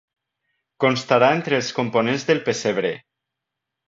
Constarà entre els components del pessebre.